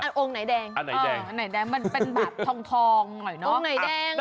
อ๋ออันไหนแดงอันไหนแดงอันไหนแดงมันเป็นบัตรทองหน่อยเนาะ